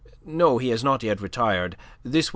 No, he has not yet retired. This way, M.